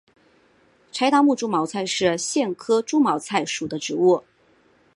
柴达木猪毛菜是苋科猪毛菜属的植物。